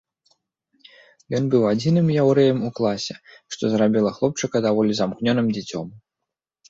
Ён быў адзіным яўрэем у класе, што зрабіла хлопчыка даволі замкнёным дзіцем.